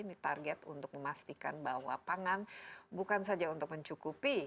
ini target untuk memastikan bahwa pangan bukan saja untuk mencukupi